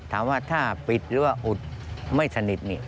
ถามว่าถ้าปิดหรือว่าอุดไม่สนิท